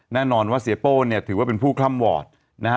แน่นอนว่าเสียโป้เนี่ยถือว่าเป็นผู้คล่ำวอดนะฮะ